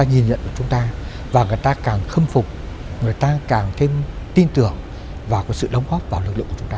hình ảnh của chúng ta và người ta càng khâm phục người ta càng thêm tin tưởng và có sự đóng góp vào lực lượng của chúng ta